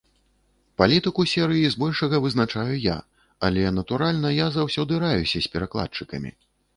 Палітыку серыі збольшага вызначаю я, але, натуральна, я заўсёды раюся з перакладчыкамі.